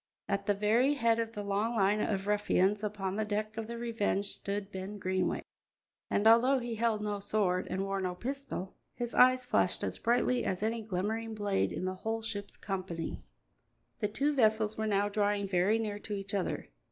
At the very head of the long line of ruffians upon the deck of the Revenge stood Ben Greenway; and, although he held no sword and wore no pistol, his eyes flashed as brightly as any glimmering blade in the whole ship's company. The two vessels were now drawing very near to each other.